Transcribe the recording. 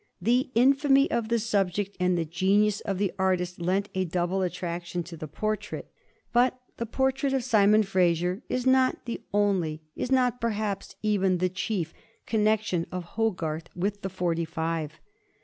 The infamy of the subject and the genius of the artist lent a double attraction to the portrait. But the portrait of Simon Fraser is not the only, is not perhaps even the chief, connection of Hogarth with the Forty five.